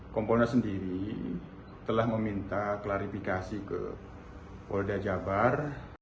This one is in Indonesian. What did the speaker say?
kompolnas sendiri telah meminta klarifikasi ke polda jabar